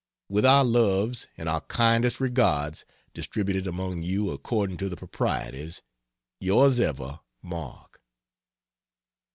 With our loves and our kindest regards distributed among you according to the proprieties. Yrs ever MARK.